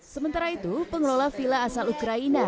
sementara itu pengelola villa asal ukraina